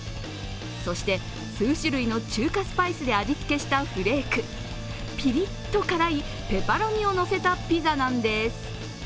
そして数種類の中華スパイスで味つけしたフレーク、ピリッと辛いペパロニをのせたピザなんです。